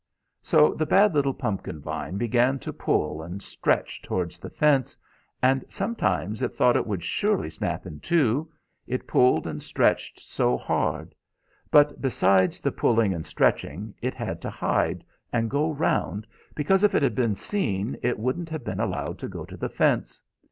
So the bad little pumpkin vine began to pull and stretch towards the fence, and sometimes it thought it would surely snap in two, it pulled and stretched so hard. But besides the pulling and stretching, it had to hide, and go round, because if it had been seen it wouldn't have been allowed to go to the fence.